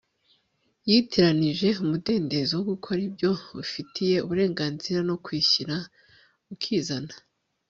yitiranije umudendezo wo gukora ibyo ufitiye uburenganzira no kwishyira ukizana